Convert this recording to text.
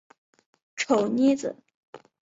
丑妮子。